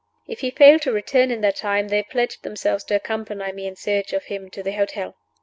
If he failed to return in that time, they pledged themselves to accompany me in search of him to the hotel.